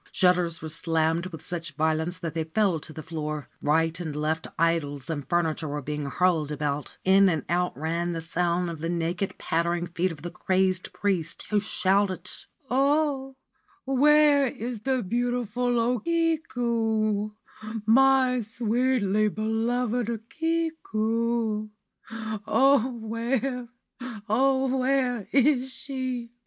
Shutters were slammed with such violence that they fell to the floor ; right and left idols and furniture were being hurled about. In and out ran the sound of 219 Ancient Tales and Folklore of Japan the naked pattering feet of the crazed priest, who shouted :' Oh, where is the beautiful O Kiku, my sweetly beloved Kiku ? Oh, where, oh, where is she